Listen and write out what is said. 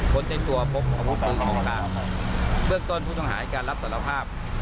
คนในตัวปกประวุธปืนของการเรื่องต้นผู้ต้องหาการรับตลอบภาพ